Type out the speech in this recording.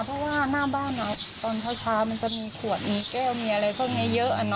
เพราะว่าหน้าบ้านตอนเช้ามันจะมีขวดมีแก้วมีอะไรพวกนี้เยอะ